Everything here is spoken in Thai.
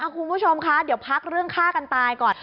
คุณผู้ชมคะเดี๋ยวพักเรื่องฆ่ากันตายก่อน